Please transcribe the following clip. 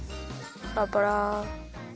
パラパラ。